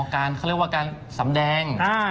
เขาเรียกว่าการสำแดง